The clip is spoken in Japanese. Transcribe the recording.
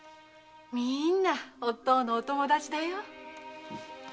みんなおっ父のお友達だよ。